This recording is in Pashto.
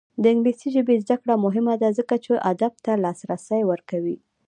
د انګلیسي ژبې زده کړه مهمه ده ځکه چې ادب ته لاسرسی ورکوي.